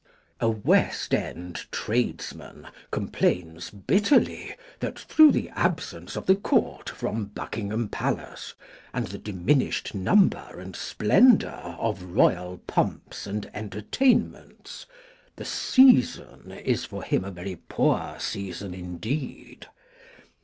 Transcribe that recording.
A West end tradesman complains bitterly that through the absence of the Court from Buckingham Palace, and the diminished number and splendor of royal pomps and entertainments, the "Season" is for him a very poor season indeed.